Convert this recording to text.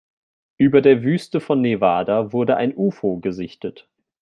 Über der Wüste von Nevada wurde ein Ufo gesichtet.